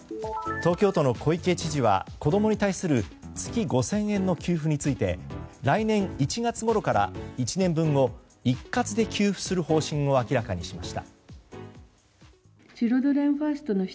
東京都の小池知事は子供に対する月５０００円の給付について来年１月ごろから、１年分を一括で給付する方針を明らかにしました。